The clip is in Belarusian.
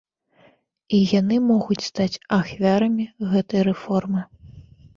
І яны могуць стаць ахвярамі гэтай рэформы.